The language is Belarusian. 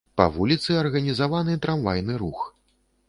Па вуліцы арганізаваны трамвайны рух.